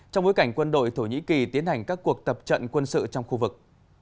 trong bối cảnh quân đội thổ nhĩ kỳ tiến hành các cuộc tập trận quân sự trong khu vực